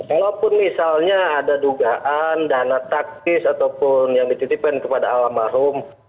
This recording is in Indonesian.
kalaupun misalnya ada dugaan dana taktis ataupun yang dititipkan kepada almarhum